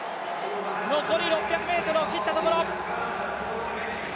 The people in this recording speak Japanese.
残り６００ｍを切ったところ。